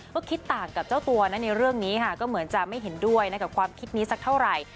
ก็คิดต่างกับเจ้าตัวนะในเรื่องนี้ค่ะก็เหมือนจะไม่เห็นด้วยกับความคิดนี้สักเท่าไหร่